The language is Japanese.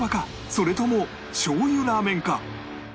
それともしょう油ラーメンか？